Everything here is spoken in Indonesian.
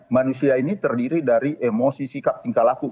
manusia ini terdiri dari emosi sikap tingkah laku